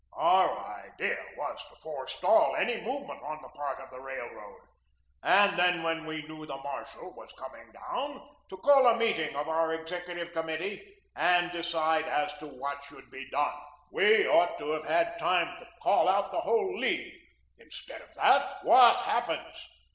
Our idea was to forestall any movement on the part of the Railroad and then when we knew the marshal was coming down, to call a meeting of our Executive Committee and decide as to what should be done. We ought to have had time to call out the whole League. Instead of that, what happens?